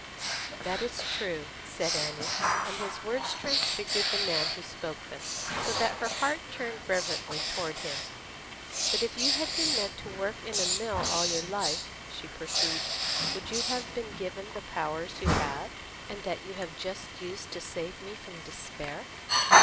"That is true," said Annie; and his words transfigured the man who spoke them, so that her heart turned reverently toward him. "But if you had been meant to work in a mill all your life," she pursued, "would you have been given the powers you have, and that you have just used to save me from despair?"